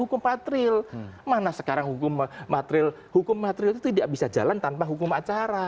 hukum materil itu tidak bisa jalan tanpa hukum acara hukum materil itu tidak bisa jalan tanpa hukum acara